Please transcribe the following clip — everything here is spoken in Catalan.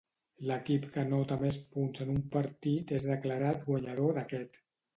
L'equip que anota més punts en un partit és declarat guanyador d'aquest.